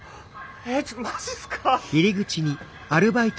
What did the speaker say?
えちょっとマジすか！？